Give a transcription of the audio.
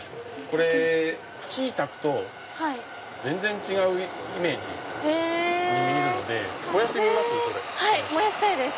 これ火たくと全然違うイメージに見えるので燃やしてみます？